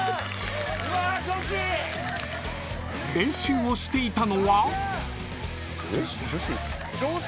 ［練習をしていたのは］